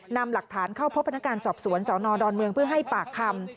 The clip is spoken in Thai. นำหลักฐานเข้าพบพนักงานสอบสวนสนดอนเมืองเพื่อให้ปากคำ